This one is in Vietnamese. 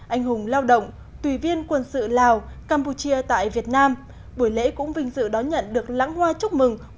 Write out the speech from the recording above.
anh hùng lao động tùy viên quân sự lào campuchia tại việt nam